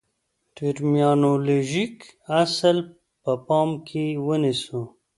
ټرمینالوژیک اصل په پام کې ونیسو.